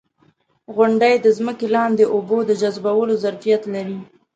• غونډۍ د ځمکې لاندې اوبو د جذبولو ظرفیت لري.